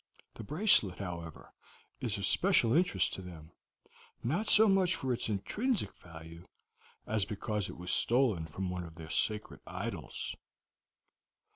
The bracelet, however, is of special interest to them, not so much for its intrinsic value, as because it was stolen from one of their sacred idols.